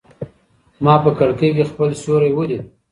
ما په کړکۍ کې خپل سیوری ولید.